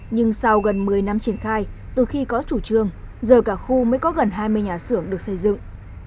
nhưng sau gần một mươi năm triển khai từ khi có chủ trương giờ cả khu mới có gần hai mươi nhà xưởng được xây dựng